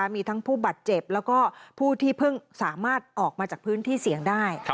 มีทั้งผู้บาดเจ็บแล้วก็ผู้ที่เพิ่งสามารถออกมาจากพื้นที่เสี่ยงได้